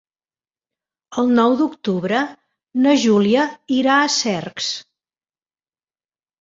El nou d'octubre na Júlia irà a Cercs.